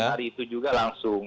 hari itu juga langsung